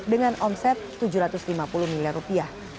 dengan omset tujuh ratus lima puluh miliar rupiah